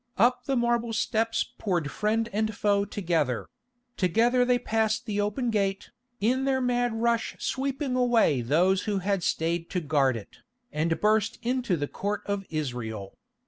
Up the marble steps poured friend and foe together; together they passed the open gate, in their mad rush sweeping away those who had stayed to guard it, and burst into the Court of Israel.